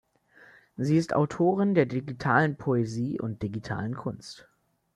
Sie ist Autorin der digitalen Poesie und digitalen Kunst.